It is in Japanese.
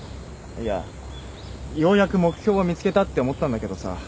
いやようやく目標を見つけたって思ったんだけどさ